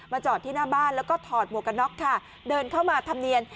จอดที่หน้าบ้านแล้วก็ถอดหมวกกันน็อกค่ะเดินเข้ามาทำเนียน